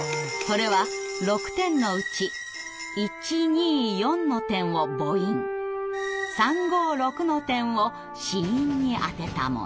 それは６点のうち１２４の点を母音３５６の点を子音にあてたもの。